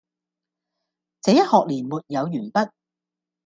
這一學年沒有完畢，